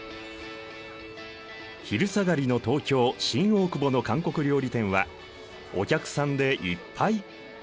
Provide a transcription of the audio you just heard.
昼下がりの東京・新大久保の韓国料理店はお客さんでいっぱい！